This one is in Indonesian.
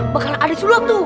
bakalan ada sulap tuh